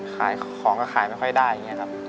ขายของก็ขายไม่ค่อยได้อย่างนี้ครับ